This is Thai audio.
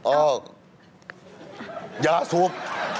อ้าวยาสุก